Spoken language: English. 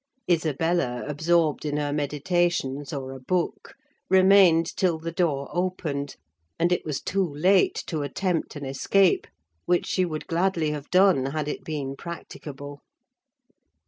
Isabella, absorbed in her meditations, or a book, remained till the door opened; and it was too late to attempt an escape, which she would gladly have done had it been practicable.